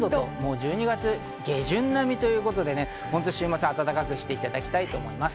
１２月下旬並みということで、週末は暖かくしていただきたいと思います。